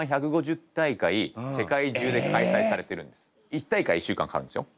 １大会１週間かかるんですよ。